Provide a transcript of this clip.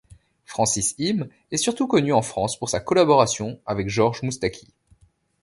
Francis Hime est surtout connu en France pour sa collaboration avec Georges Moustaki.